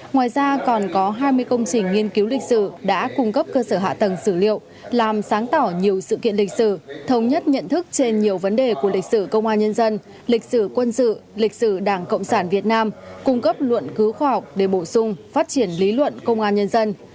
ngoài ra còn có hai mươi công trình nghiên cứu lịch sử đã cung cấp cơ sở hạ tầng xử liệu làm sáng tỏ nhiều sự kiện lịch sử thống nhất nhận thức trên nhiều vấn đề của lịch sử công an nhân dân lịch sử quân sự lịch sử đảng cộng sản việt nam cung cấp luận cứu khoa học để bổ sung phát triển lý luận công an nhân dân